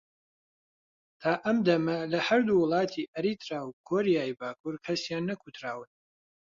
تا ئەم دەمە لە هەردوو وڵاتی ئەریتریا و کۆریای باکوور کەسیان نەکوتراون